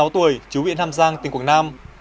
hai mươi sáu tuổi chú viện ham giang tỉnh quảng nam